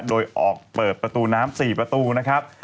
โดยออกเปิดประตูน้ำ๔ประตูนะครับ